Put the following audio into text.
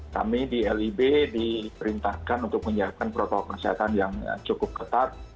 kami di lib diperintahkan untuk menyiapkan protokol kesehatan yang cukup ketat